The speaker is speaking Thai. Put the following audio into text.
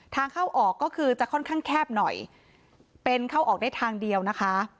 ทางเข้าออกก็คือจะค่อนข้างแคบหน่อยเป็นเข้าออกได้ทางเดียวนะคะ